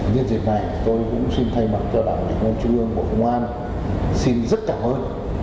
nhân dân này tôi cũng xin thay mặt cho đảng đề ngân chú ương của công an xin rất cảm ơn